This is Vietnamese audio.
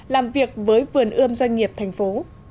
làm việc với vườn ươm doanh nghiệp thành phố